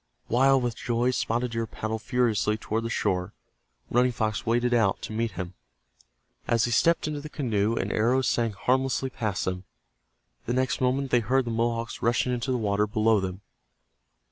Wild with joy, Spotted Deer paddled furiously toward the shore. Running Fox waded out to meet him. As he stepped into the canoe, an arrow sang harmlessly past them. The next moment they heard the Mohawks rushing into the water below them.